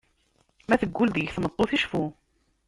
Ma teggul deg-k tmeṭṭut, cfu.